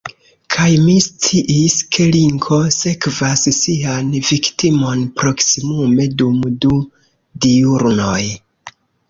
Kaj mi sciis, ke linko sekvas sian viktimon proksimume dum du diurnoj.